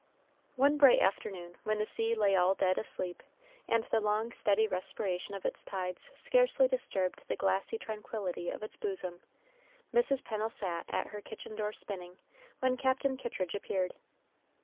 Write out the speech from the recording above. One bright afternoon, when the sea lay all dead asleep, and the long, steady respiration of its tides scarcely disturbed the glassy tranquillity of its bosom, Mrs. Pennel sat at her kitchen door spinning, when Captain Kittridge appeared.